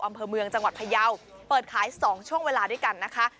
อำเภอเมืองจังหวัดพยาวเปิดขาย๒ช่วงเวลาด้วยกันนะคะ